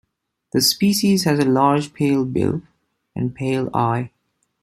The species has a large pale bill, and pale eye.